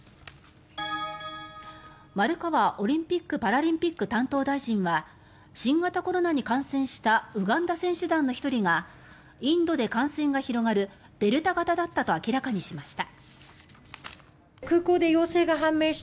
丸川オリンピック・パラリンピック担当大臣は新型コロナに感染したウガンダ選手団の１人がインドで感染が広がるデルタ型だったと明らかにしました。